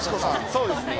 そうですね